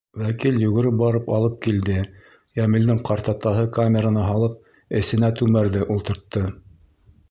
Вәкил йүгереп барып алып килде, Йәмилдең ҡартатаһы камераны һалып, эсенә түмәрҙе ултыртты.